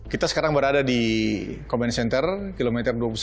kita sekarang berada di command center kilometer dua puluh satu